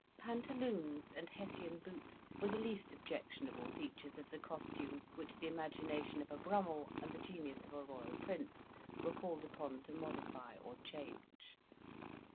Pantaloons and Hessian boots were the least objectionable features of the costume which the imagination of a Brummell and the genius of a Royal Prince were called upon to modify or change.